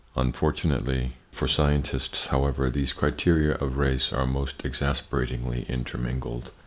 Unfortunately for scientists, however, these criteria of race are most exasperatingly intermingled.